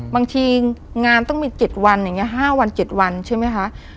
บางทีงานต้องมี๗วัน๕๗วันชื่อไหมคะ